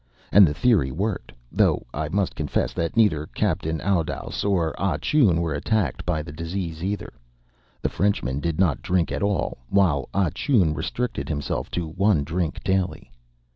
And the theory worked, though I must confess that neither Captain Oudouse nor Ah Choon were attacked by the disease either. The Frenchman did not drink at all, while Ah Choon restricted himself to one drink daily.